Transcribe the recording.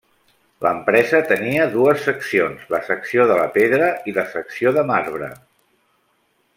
L'empresa tenia dues seccions: la secció de la pedra i la secció de mabre.